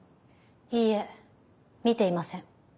いいえ見ていません。